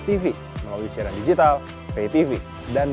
kami akan menjalankan atau tidak